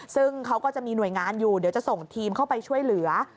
ซึ่งเขาก็จะมีหน่วยงานอยู่เดี๋ยวจะส่งทีมเข้าไปช่วยเหลือ